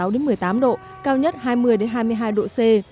một mươi sáu đến một mươi tám độ cao nhất hai mươi đến hai mươi hai độ c